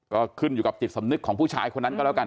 ก็ขึ้นอยู่กับจิตสำนึกของผู้ชายคนนั้นก็แล้วกัน